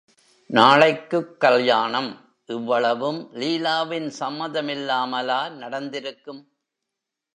நாளைக்குக் கல்யாணம், இவ்வளவும் லீலாவின் சம்மதமில்லாமலா நடந்திருக்கும்?